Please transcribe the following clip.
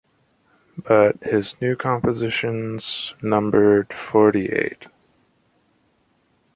But his new compositions numbered forty-eight.